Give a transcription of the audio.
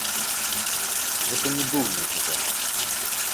Гэта не быў нейкі загад.